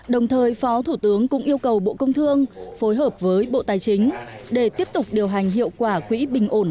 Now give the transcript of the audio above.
đồng thời phó thủ tướng cũng yêu cầu bộ công thương phối hợp với bộ tài chính để tiếp tục điều hành hiệu quả quỹ bình ổn